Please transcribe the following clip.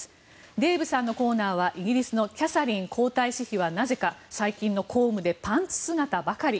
デーブさんのコーナーはイギリスのキャサリン皇太子妃はなぜか最近の公務でパンツ姿ばかり。